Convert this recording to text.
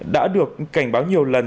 đã được cảnh báo nhiều lần